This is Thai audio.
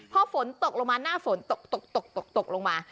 พอฝนตกลงมาหน้าฝนตกตกลงมา